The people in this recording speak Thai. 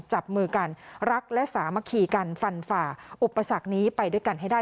จับมือกันรักและสามัคคีกันฟันฝ่าอุปสรรคนี้ไปด้วยกันให้ได้